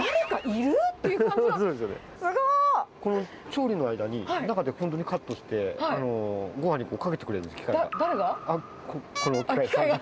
調理の間に中で本当にカットして、ごはんにかけてくれる、機械が。